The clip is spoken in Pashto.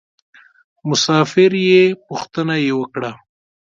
مسافر یې پوښتنه یې وکړه.